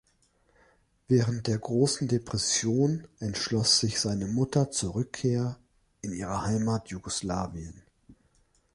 Während der „Großen Depression“ entschloss sich seine Mutter zur Rückkehr in ihre Heimat Jugoslawien.